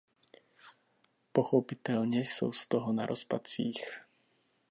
Pochopitelně jsou z toho na rozpacích.